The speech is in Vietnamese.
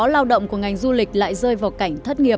lao động của ngành du lịch lại rơi vào cảnh thất nghiệp